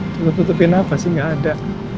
kalau tutupin apa sih nggak ada